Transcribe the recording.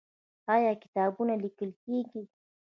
آیا کتابونه لیکل کیږي؟